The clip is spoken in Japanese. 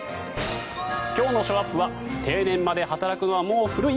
今日のショーアップは定年まで働くのはもう古い？